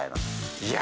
いや。